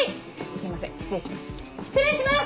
すいません失礼します。